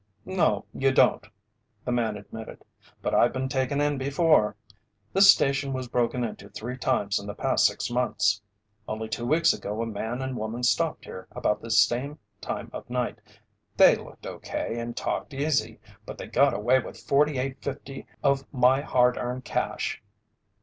"No, you don't," the man admitted, "but I've been taken in before. This station was broken into three times in the past six months. Only two weeks ago a man and woman stopped here about this same time of night they looked okay and talked easy, but they got away with $48.50 of my hard earned cash."